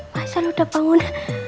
mas al udah bangun